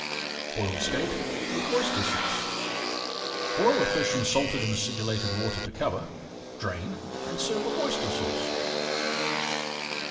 BOILED SKATE WITH OYSTER SAUCE Boil the fish in salted and acidulated water to cover, drain, and serve with Oyster Sauce.